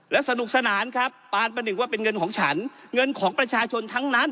และสนุกสนานครับปานประหนึ่งว่าเป็นเงินของฉันเงินของประชาชนทั้งนั้น